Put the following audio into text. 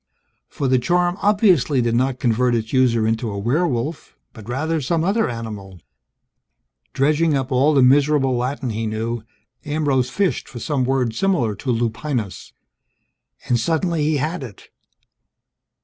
For the charm obviously did not convert its user into a werewolf, but rather some other animal ... Dredging up all the miserable Latin he knew, Ambrose fished for some word similar to lupinus. And suddenly he had it!